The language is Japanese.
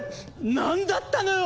何だったのよ